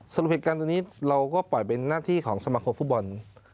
สำหรับเหตุการณ์ตัวนี้เราก็ปล่อยเป็นหน้าที่ของสมาคมฟุตบอล